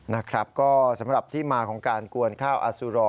นะครับก็สำหรับที่มาของการกวนข้าวอสุรอ